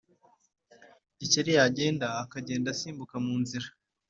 Gikeli yagenda akagenda asimbuka munzira